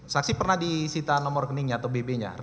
saksi pernah disita nomor rekeningnya atau bp nya